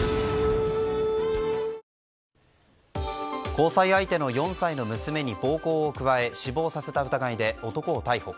交際相手の４歳の娘に暴行を加え死亡させた疑いで男を逮捕。